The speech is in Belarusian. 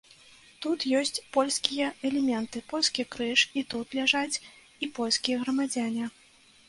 Тут ёсць польскія элементы, польскі крыж, і тут ляжаць і польскія грамадзяне.